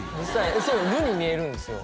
そう「る」に見えるんですよ